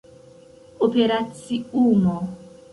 operaciumo